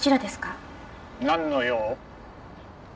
なんの用？